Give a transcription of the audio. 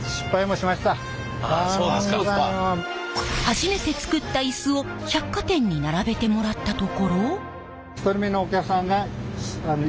初めて作ったイスを百貨店に並べてもらったところ。